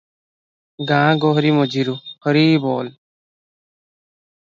ଗାଁ ଗୋହିରୀ ମଝିରୁ 'ହରିବୋଲ!